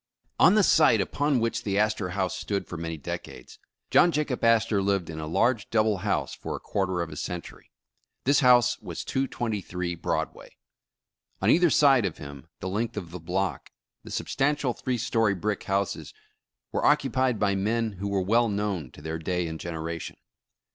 ON the site upon which the Astor House stood for many decades, John Jacob Astor lived in a large double house for a quarter of a century. This house was 223 Broadway. On either side of him the length of the block, the substantial three story brick houses were occupied by men who were well known to their day and generation.